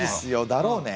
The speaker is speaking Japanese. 「だろうね」？